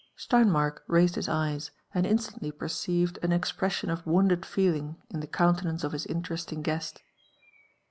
Steinmark raised his eyes, and instantly perceived an expression of wounded feeling in the countenance of his interesting guest.